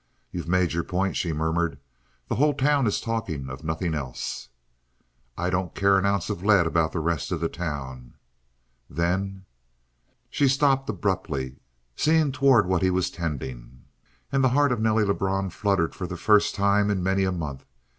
"You've made your point," she murmured. "The whole town is talking of nothing else." "I don't care an ounce of lead about the rest of the town." "Then " She stopped abruptly, seeing toward what he was tending. And the heart of Nelly Lebrun fluttered for the first time in many a month.